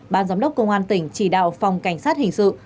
ban giám đốc công an tỉnh chỉ đạo phòng cảnh sát hình sự